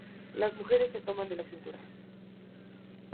Las mujeres se toman la cintura.